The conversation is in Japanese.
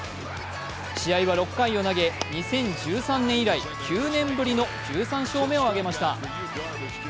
試合は６回を投げ、２０１３年以来９年ぶりの１３勝目を挙げました。